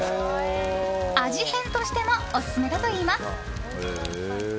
味変としてもオススメだといいます。